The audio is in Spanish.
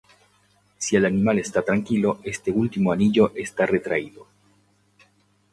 Si el animal está tranquilo, este último anillo está retraído.